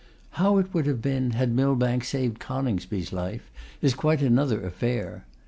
How it would have been had Millbank saved Coningsby's life, is quite another affair.